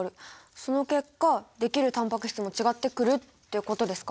その結果できるタンパク質も違ってくるっていうことですか？